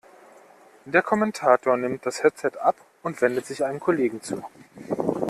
Der Kommentator nimmt das Headset ab und wendet sich einem Kollegen zu.